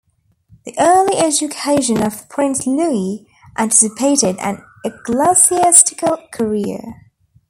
The early education of Prince Louis anticipated an ecclesiastical career.